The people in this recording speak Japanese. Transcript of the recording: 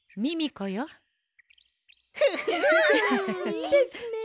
いいですね！